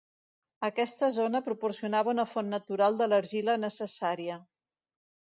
Aquesta zona proporcionava una font natural de l'argila necessària.